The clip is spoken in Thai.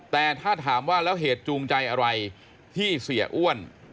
แต่ถ้าถามว่าแล้วเหตุจูงใจอะไรที่เสียอ้วน